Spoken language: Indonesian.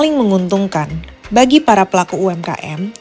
dan penghubung dalam menciptakan ikatan bisnis yang berharga